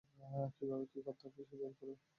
কীভাবে কী করতে হবে বের করো।